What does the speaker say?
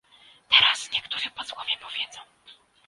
Teraz niektórzy posłowie powiedzą